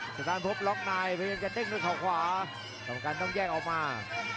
สถานพบล็อกไนด์เพราะยังจะเต้นด้วยข่าวขวาต้องการต้องแยกออกมา